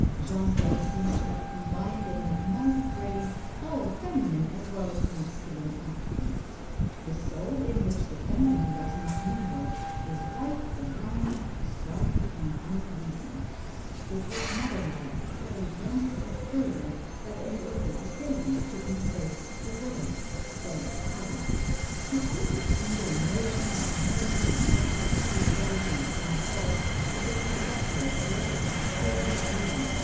Jean Paul seems to have combined in that mighty brain all feminine as well as masculine attributes. The soul in which the feminine does not mingle is ripe for wrong, strife and unreason. "It was mother love, carried one step further, that enabled the Savior to embrace a world," says Carlyle. The sweep of tender emotion that murmurs and rustles through the writing of Jean Paul is like the echo of a lullaby heard in a dream.